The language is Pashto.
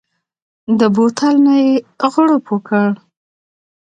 د بوتل نه يې غړپ وکړ.